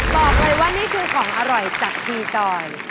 บอกเลยว่านี่คือของอร่อยจากทีจอย